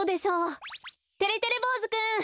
てれてれぼうずくん！